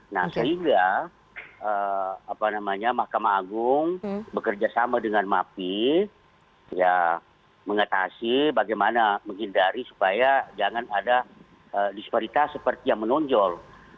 nah sehingga mahkamah agung bekerja sama dengan mapi mengatasi bagaimana menghindari supaya jangan ada disparitas seperti yang menonjol